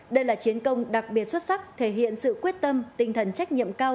đây là chiến công đặc biệt xuất sắc thể hiện sự quyết tâm tinh thần trách nhiệm cao